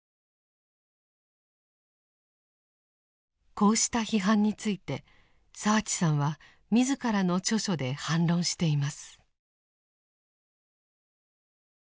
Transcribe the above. こうした批判について澤地さんは自らの著書で反論しています。